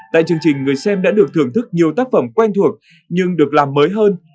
tại chương trình người xem đã được thưởng thức nhiều tác phẩm quen thuộc nhưng được làm mới hơn